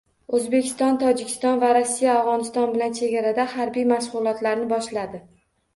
O‘zbekiston, Tojikiston va Rossiya Afg‘oniston bilan chegarada harbiy mashg‘ulotlarni boshladi